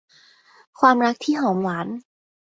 ความรักที่หอมหวาน